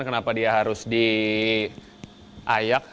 kenapa dia harus diayak